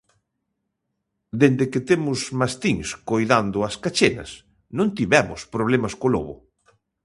Dende que temos mastíns coidando as cachenas, non tivemos problemas co lobo.